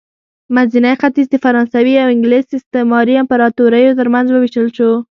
منځنی ختیځ د فرانسوي او انګلیس استعماري امپراتوریو ترمنځ ووېشل شو.